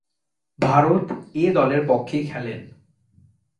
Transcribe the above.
ভারত এ-দলের পক্ষে খেলেন।